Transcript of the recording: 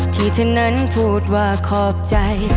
ที่ท่านนั้นพูดว่าขอบใจ